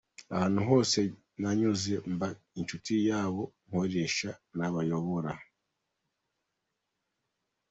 Ahantu hose nanyuze mba inshuti y’abo nkoresha n’abanyobora.